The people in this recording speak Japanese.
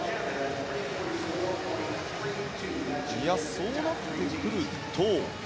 そうなってくると。